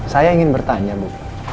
saya ingin bertanya bu